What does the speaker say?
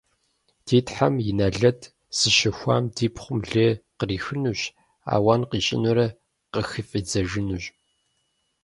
- Ди Тхьэм и нэлат зыщыхуам ди пхъум лей кърихынущ, ауан къищӀынурэ къыхыфӀидзэжынущ.